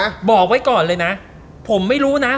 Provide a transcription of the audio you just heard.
บอกไว้ก่อนเลยนะผมไม่รู้นะ